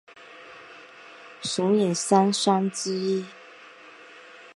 熊野三山之一。